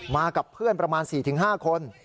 มากับเพื่อนประมาณ๔๕คน